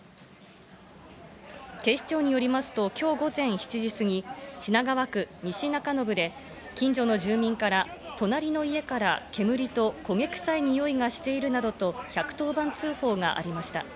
警視庁によりますと今日午前７時すぎ、品川区西中延で近所の住民から隣の家から煙と焦げ臭いにおいがしているなどと１１０番通報がありました。